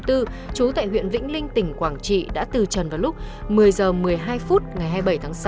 trú tại huyện vĩnh linh tỉnh quảng trị đã từ trần vào lúc một mươi h một mươi hai phút ngày hai mươi bảy tháng sáu